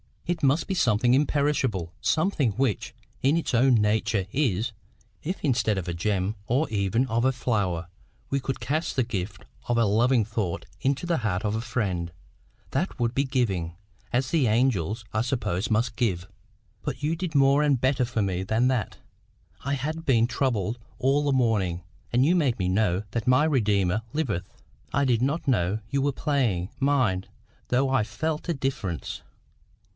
"It must be something imperishable,—something which in its own nature IS. If instead of a gem, or even of a flower, we could cast the gift of a lovely thought into the heart of a friend, that would be giving, as the angels, I suppose, must give. But you did more and better for me than that. I had been troubled all the morning; and you made me know that my Redeemer liveth. I did not know you were playing, mind, though I felt a difference.